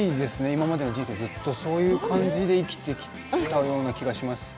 今までの人生ずっとそういう感じで生きてきたような気がします。